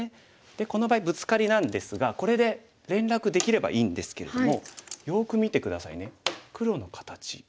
この場合ブツカリなんですがこれで連絡できればいいんですけれどもよく見て下さいね黒の形。